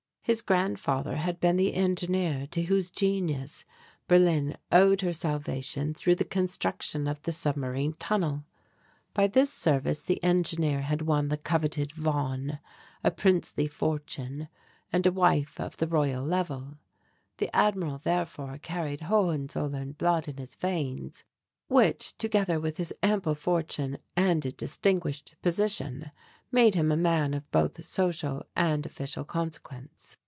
His grandfather had been the engineer to whose genius Berlin owed her salvation through the construction of the submarine tunnel. By this service the engineer had won the coveted "von," a princely fortune and a wife of the Royal Level. The Admiral therefore carried Hohenzollern blood in his veins, which, together with his ample fortune and a distinguished position, made him a man of both social and official consequence.